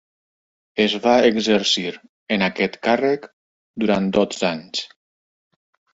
Es va exercir en aquest càrrec durant dotze anys.